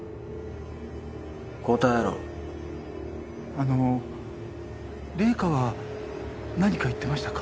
あの零花は何か言ってましたか？